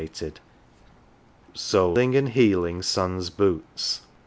d, Soling and heeling son's boots